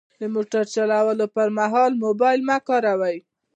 د موټر چلولو پر مهال موبایل مه کاروئ.